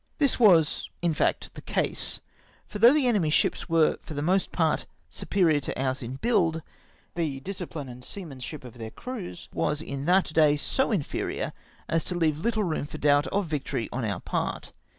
This was in fact the case ; for though the enemy's ships were for the most part superior to ours in build, the discipline and seamanship of their crews was in tliat day so inferior as to leave httle room for doubt of victory on our part.